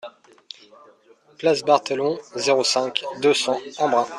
Place Barthelon, zéro cinq, deux cents Embrun